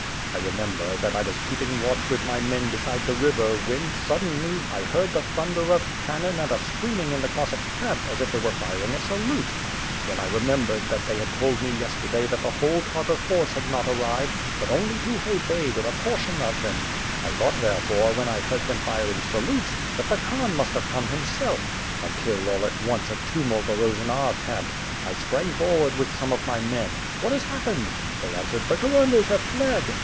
I remember, that I was keeping watch with my men beside the river, when, suddenly, I heard the thunder of cannon and a screaming in the Cossack camp, as if they were firing a salute. Then I re membered that they had told me yesterday that the whole Tartar force had not arrived, but only Tukhay Bey with a portion of them. I thought, therefore, when I heard them firing salutes, that the Khan must have come himself; until, all at once a tumult arose in our camp. I sprang forward with some of my men. What has happened? They answered 'the commanders have fled!'